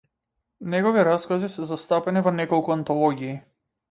Негови раскази се застапени во неколку антологии.